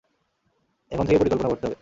এখন থেকেই পরিকল্পনা করতে হবে।